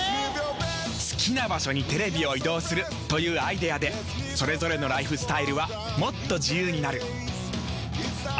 好きな場所にテレビを移動するというアイデアでそれぞれのライフスタイルはもっと自由になる。